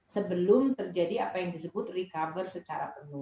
sebelum terjadi apa yang disebut recover secara penuh